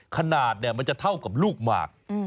ขนาดเนี่ยมันจะเท่ากับลูกหมาก